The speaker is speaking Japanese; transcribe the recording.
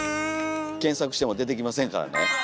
検索しても出てきませんからね。